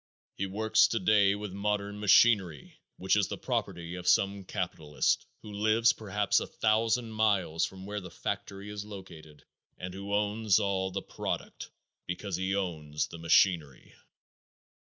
He works today with modern machinery which is the property of some capitalist who lives perhaps a thousand miles from where the factory is located and who owns all the product because he owns the machinery.